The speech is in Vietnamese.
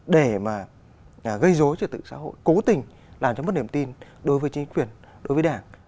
để mà gây dối trật tự xã hội cố tình làm cho mất niềm tin đối với chính quyền đối với đảng